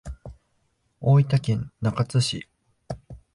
大分県中津市